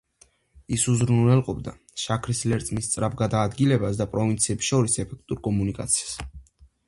ის უზრუნველყოფდა შაქრის ლერწმის სწრაფ გადაადგილებას და პროვინციებს შორის ეფექტურ კომუნიკაციას.